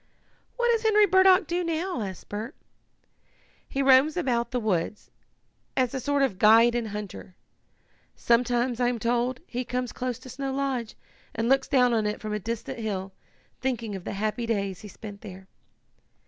"What does Henry Burdock do now?" asked Bert. "He roams about the woods, as a sort of guide and hunter. Sometimes, I am told, he comes close to Snow Lodge and looks down on it from a distant hill, thinking of the happy days he spent there."